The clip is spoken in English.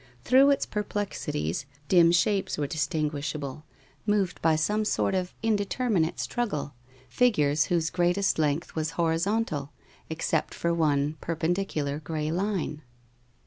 Through its perplexities dim shapes were dis tinguishable, moved by some sort of indeterminate struggle, figures whose greatest length was horizontal, except for one perpendicular gray line.